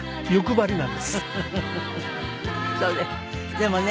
でもね